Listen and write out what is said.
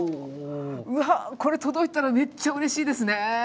うわっこれ届いたらめっちゃうれしいですね。